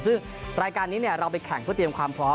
ซึ่งรายการนี้เราไปแข่งเพื่อเตรียมความพร้อม